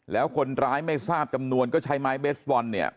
แล้วคนร้ายไม่ทราบจำนวนก็ใช้ไม้เบสบอลเนี่ย